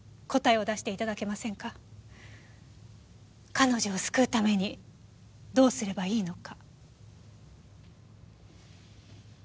彼女を救うためにどうすればいいのか。